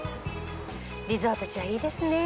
リゾート地はいいですね。